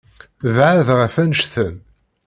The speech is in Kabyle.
Beεεed ɣef annect-en.